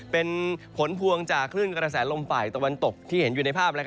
เป็นผลพวงจากคลื่นกระแสลมฝ่ายตะวันตกที่เห็นอยู่ในภาพ